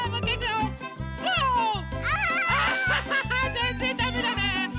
ぜんぜんだめだね！